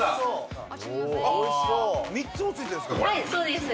３つもついてるんですか？